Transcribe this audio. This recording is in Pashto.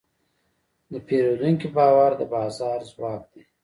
د پیرودونکي باور د بازار ځواک دی.